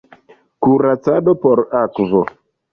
Kuracado per akvo.